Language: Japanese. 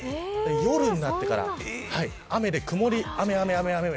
夜になってから雨で曇雨、雨、雨、雨。